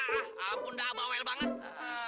ya ampun dah abel abel banget